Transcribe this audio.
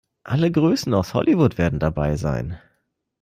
Alle Größen aus Hollywood werden dabei sein.